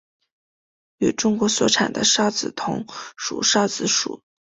与中国所产的韶子同属韶子属。